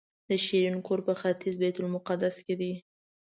د شیرین کور په ختیځ بیت المقدس کې دی.